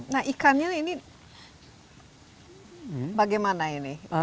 nah ikannya ini bagaimana ini